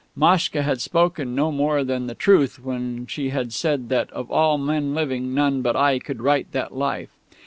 Maschka had spoken no more than the truth when she had said that of all men living none but I could write that "Life."